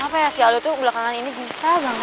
apa ya si aldo tuh belakangan ini bisa banget